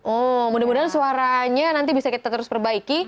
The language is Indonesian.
oh mudah mudahan suaranya nanti bisa kita terus perbaiki